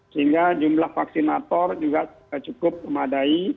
sehingga jumlah vaksinator juga cukup memadai